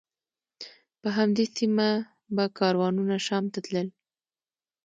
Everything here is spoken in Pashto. په همدې سیمه به کاروانونه شام ته تلل.